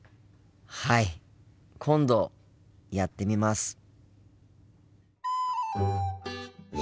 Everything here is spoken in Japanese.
はい今度やってみます。